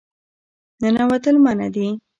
ننوتل منع دي